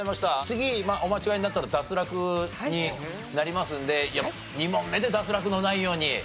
次お間違えになったら脱落になりますので２問目で脱落のないように。